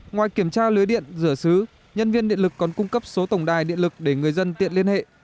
ngoài kiểm tra lưới điện rửa xứ nhân viên điện lực còn cung cấp số tổng đài điện lực để người dân tiện liên hệ